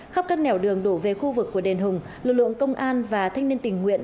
khắp các nẻo đường đổ về khu vực của đền hùng lực lượng công an và thanh niên tình nguyện